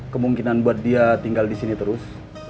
kemungkinan buat dia tinggal di sini terus